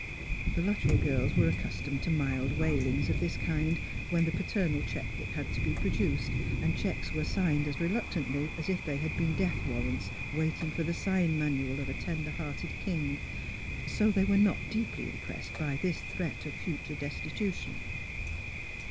The Luttrell girls were accustomed to mild wailings of this kind when the paternal cheque book had to be produced, and cheques were signed as reluctantly as if they had been death warrants waiting for the sign manual of a tender hearted king; so they were not deeply impressed by this threat of future des titution.